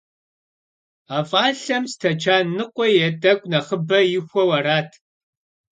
А фӀалъэм стэчан ныкъуэ е тӀэкӀу нэхъыбэ ихуэу арат.